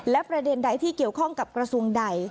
และประเด็นใดที่เกี่ยวข้องกับกระทรวงใด